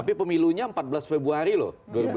di silunya empat belas februari loh